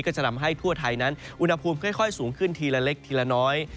ก็จะทำให้ทั่วไทยนั้นอุณหภูมิค่อยสูงขึ้นทีละเล็กทีละน้อย